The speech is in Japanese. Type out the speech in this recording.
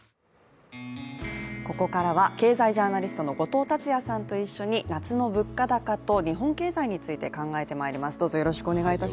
ここからは経済ジャーナリストの後藤達也さんと一緒に夏の物価高と日本経済について考えてまいります。